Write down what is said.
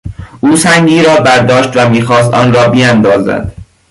او سنگی را برداشت و میخواست آن را بیندازد.